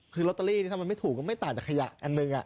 คือลอตเตอรี่ถ้ามันไม่ถูกก็ไม่ต่างจากขยะอันหนึ่ง